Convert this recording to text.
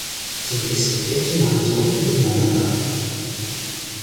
Zunächst regierte man so nebeneinander.